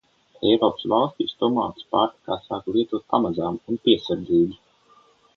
Eiropas valstīs tomātus pārtikā sāka lietot pamazām un piesardzīgi.